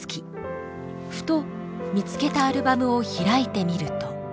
ふと見つけたアルバムを開いてみると。